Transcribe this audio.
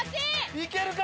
いけるか？